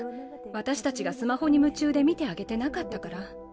私たちがスマホにむ中で見てあげてなかったから。